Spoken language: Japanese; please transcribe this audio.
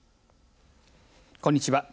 こんにちは。